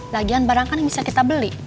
lagian barang kan yang bisa kita beli